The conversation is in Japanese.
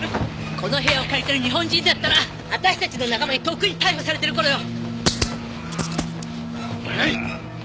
この部屋を借りてる日本人だったら私たちの仲間にとっくに逮捕されてる頃よ。